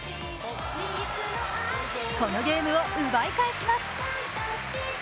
このゲームを奪い返します。